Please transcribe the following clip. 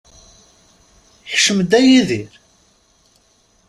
Kcem-d, a Yidir.